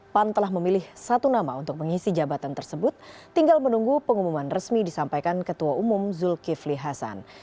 pan telah memilih satu nama untuk mengisi jabatan tersebut tinggal menunggu pengumuman resmi disampaikan ketua umum zulkifli hasan